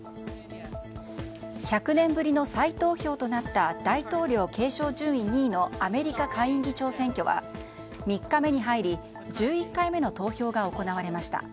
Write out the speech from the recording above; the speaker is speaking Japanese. １００年ぶりの再投票となった大統領継承順位２位のアメリカ下院議長選挙は３日目に入り１１回目の投票が行われました。